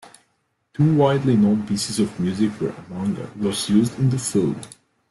Two widely known pieces of music were among those used in the film.